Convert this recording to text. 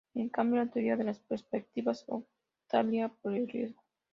En cambio la teoría de las perspectivas optaría por el riesgo.